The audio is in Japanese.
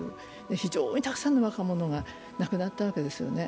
非常にたくさんの若者が亡くなったわけですよね。